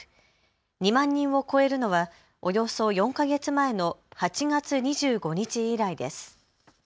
２万人を超えるのはおよそ４か月前の８月２５日以来です。